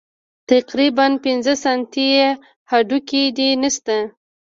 تقريباً پينځه سانتۍ هډوکى دې نشته.